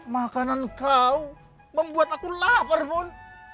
makanan kau membuat aku lapar pun